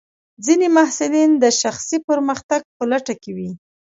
ځینې محصلین د شخصي پرمختګ په لټه کې وي.